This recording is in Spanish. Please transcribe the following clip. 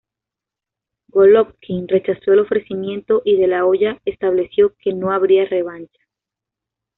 Golovkin rechazó el ofrecimiento y De la Hoya estableció que no habría revancha.